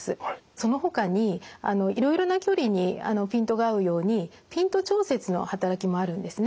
そのほかにいろいろな距離にピントが合うようにピント調節の働きもあるんですね。